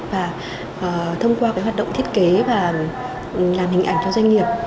và thông qua hoạt động thiết kế và làm hình ảnh cho doanh nghiệp